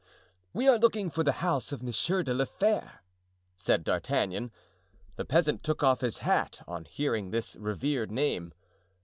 "We are looking for the house of Monsieur de la Fere," said D'Artagnan. The peasant took off his hat on hearing this revered name.